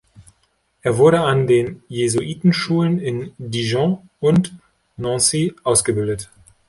Er wurde an den Jesuitenschulen in Dijon und Nancy ausgebildet.